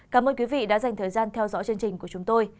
cảm ơn quý vị đã dành thời gian theo dõi chương trình của chúng tôi